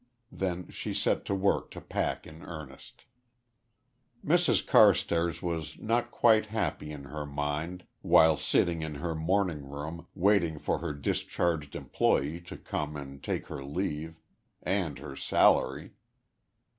Then she set to work to pack in earnest. Mrs Carstairs was not quite happy in her mind, while sitting in her morning room waiting for her discharged employee to come and take her leave and her salary.